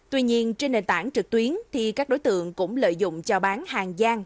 tuy nhiên trên nền tảng trực tuyến thì các đối tượng cũng lợi dụng cho bán hàng gian